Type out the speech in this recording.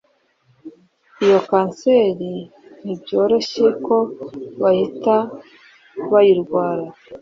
iyo kanseri ntibyoroshye ko bahita bayirwara